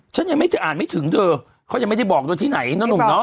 ฉันยังไม่จะอ่านไม่ถึงเธอเขายังไม่ได้บอกโดยที่ไหนนะหนุ่มเนาะ